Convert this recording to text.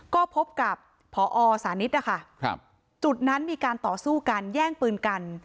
ก็พบกับพอสานิทนะคะจุดนั้นมีการต่อสู้กันแย่งปืนกัน